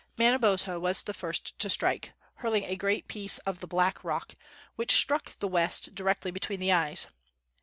Manabozho was the first to strike hurling a great piece of the black rock, which struck the West directly between the eyes.